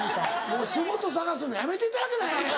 もう仕事探すのやめていただけない？